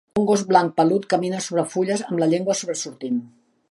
Un gos blanc pelut camina sobre fulles amb la llengua sobresortint.